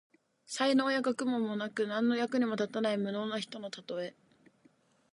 才能や学問もなく、何の役にも立たない無能な人のたとえ。